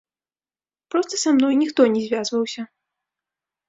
Проста са мной ніхто не звязваўся.